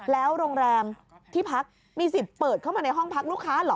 แล้วโรงแรมที่พักมีสิทธิ์เปิดเข้ามาในห้องพักลูกค้าเหรอ